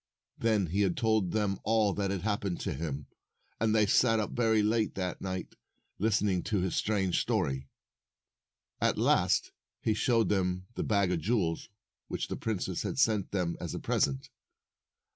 Then he told them all that had hap pened to him, and they sat up very late that night listening to his strange story. At last he showed them the bag of jewels which the princess had sent them as a present.